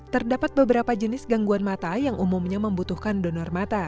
terdapat beberapa jenis gangguan mata yang umumnya membutuhkan donor mata